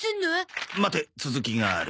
待て続きがある。